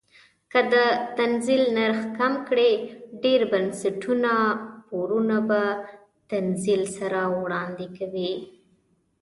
که د تنزیل نرخ کم کړي ډیر بنسټونه پورونه په تنزیل سره وړاندې کوي.